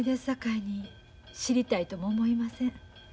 さかいに知りたいとも思いません。